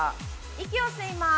息を吸います。